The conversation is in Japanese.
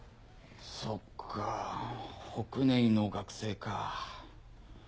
そっか北根壊の学生か。